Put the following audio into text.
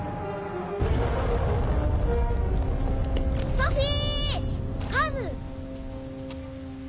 ソフィー‼カブ！